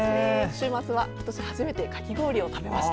週末は今年初めてかき氷を食べました。